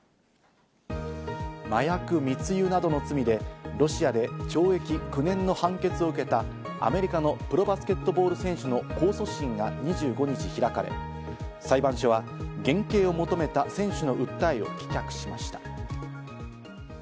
麻薬密輸などの罪でロシアで懲役９年の判決を受けたアメリカのプロバスケットボール選手の控訴審が２５日開かれ、裁判所は減刑を求めた選手の訴えを棄却しました。